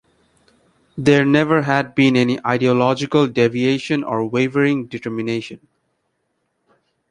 There never had been any ideological deviation or wavering determination.